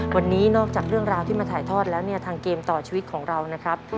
วันนี้นอกจากเรื่องราวที่มาถ่ายทอดแล้วเนี่ยทางเกมต่อชีวิตของเรานะครับ